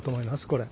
これ。